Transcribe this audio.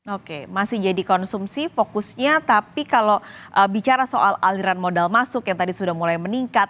oke masih jadi konsumsi fokusnya tapi kalau bicara soal aliran modal masuk yang tadi sudah mulai meningkat